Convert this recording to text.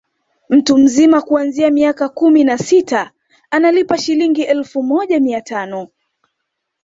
Mtu mzima kuanzia miaka kumi na sita analipa Shilingi elfu moja mia tano